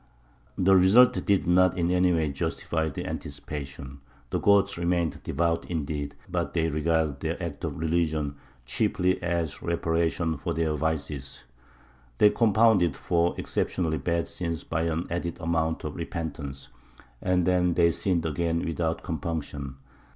The result did not in any way justify the anticipation. The Goths remained devout indeed, but they regarded their acts of religion chiefly as reparation for their vices; they compounded for exceptionally bad sins by an added amount of repentance, and then they sinned again without compunction.